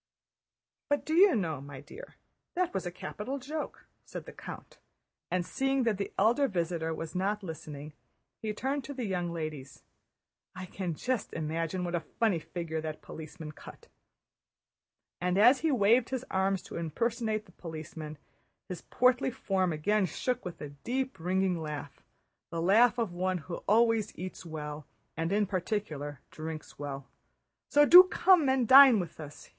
"But do you know, my dear, that was a capital joke," said the count; and seeing that the elder visitor was not listening, he turned to the young ladies. "I can just imagine what a funny figure that policeman cut!" And as he waved his arms to impersonate the policeman, his portly form again shook with a deep ringing laugh, the laugh of one who always eats well and, in particular, drinks well. "So do come and dine with us!"